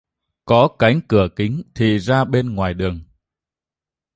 Có cánh cửa kính thì ra bên ngoài đường